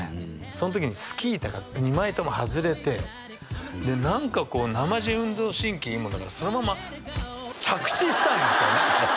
その時にスキー板が２枚とも外れてで何かこうなまじ運動神経いいもんだからそのまま着地したんですよね